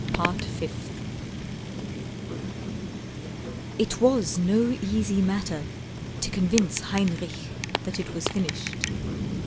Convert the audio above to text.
Part Fifth It was no easy matter to convince Heinrich that it was finished.